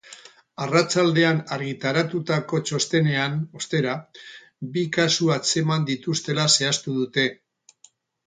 Arratsaldean argitaratutako txostenean, ostera, bi kasu atzeman dituztela zehaztu dute.